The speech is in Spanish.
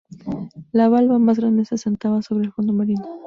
La valva más grande se asentaba sobre el fondo marino.